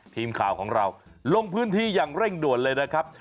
ทีมข่าวของเราลงพื้นที่อย่างเร่งด่วนเลยนะครับ